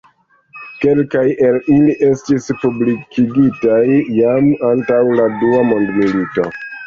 Kelkaj el ili estis publikigitaj jam antaŭ la dua mondmilito.